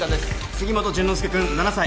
杉本淳之介君７歳。